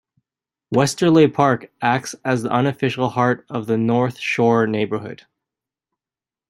Westerleigh Park acts as the unofficial heart of the North Shore neighborhood.